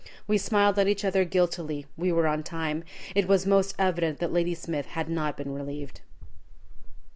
We smiled at each other guiltily. We were on time. It was most evident that Ladysmith had not been relieved.